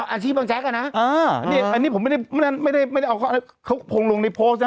อาชีพบังแจ๊กอ่ะน่ะอ่าอันนี้ผมไม่ได้ไม่ได้ไม่ได้ไม่ได้เอาเขาพงลงในโพสต์น่ะ